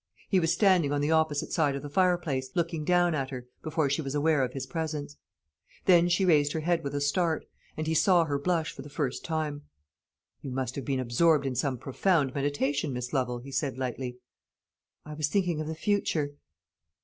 He was standing on the opposite side of the fireplace, looking down at her, before she was aware of his presence. Then she raised her head with a start; and he saw her blush for the first time. "You must have been absorbed in some profound meditation, Miss Lovel," he said lightly. "I was thinking of the future."